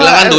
ada apa nih